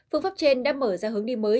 phương pháp trên đã mở ra hướng đi mới